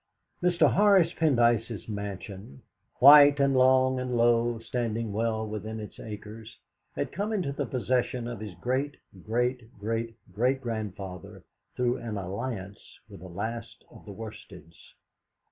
Mr. Horace Pendyce's mansion, white and long and low, standing well within its acres, had come into the possession of his great great great grandfather through an alliance with the last of the Worsteds.